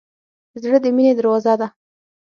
زړه د مینې دروازه ده.